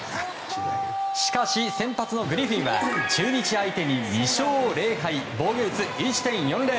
しかし、先発のグリフィンは中日相手に２勝０敗防御率１．４０。